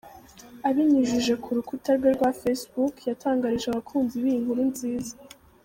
Abinyujije ku rukuta rwe rwa Facebook yatangarije abakunzi be iyi nkuru nziza.